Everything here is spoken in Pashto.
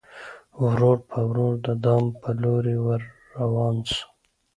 ورو په ورو د دام پر لوري ور روان سو